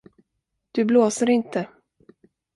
Du blåser inte.